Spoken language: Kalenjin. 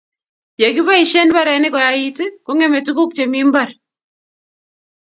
ya kibaishen barenik koait kongeme tunguk chemi mbar